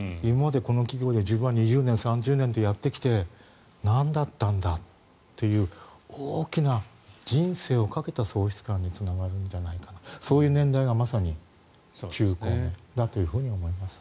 自分はこの企業で２０年、３０年とやってきて何だったんだという大きな人生をかけた喪失感につながるんじゃないかというそういう年代がまさに中高年だと思います。